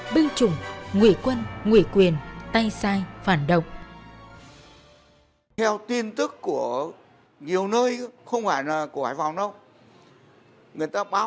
bưu trùng ngụy quân ngụy quyền tay sai phản động